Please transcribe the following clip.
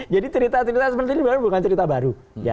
jadi cerita cerita seperti ini bukan cerita baru